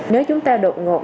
nếu chúng ta đột ngột